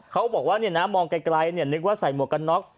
เขาบอกว่ามองไกลนึกว่าใส่หมวกกันน็อก